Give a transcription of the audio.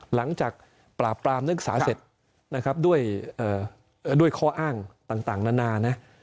หลังจากปราบปรามนักศึกษาเสร็จนะครับด้วยข้ออ้างต่างนานานะ